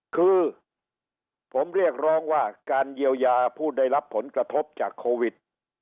คือผมเรียกร้องว่าการเยียวยาผู้ได้รับผลกระทบจากโควิด